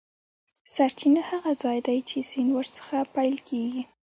سرچینه هغه ځاي دی چې سیند ور څخه پیل کیږي.